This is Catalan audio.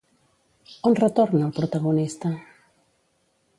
On retorna el protagonista?